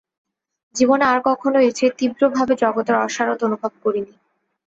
জীবনে আর কখনও এর চেয়ে তীব্রভাবে জগতের অসারতা অনুভব করিনি।